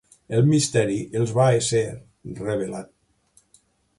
El misteri els va ésser rebel·lat